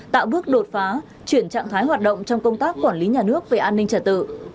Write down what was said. tạo bước đột phá chuyển trạng thái hoạt động trong công tác quản lý nhà nước về an ninh trả tự